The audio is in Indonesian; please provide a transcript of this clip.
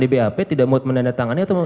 di bap tidak memutuskan menandatangannya atau